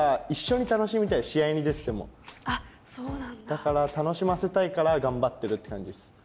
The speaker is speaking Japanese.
だから楽しませたいから頑張ってるって感じです。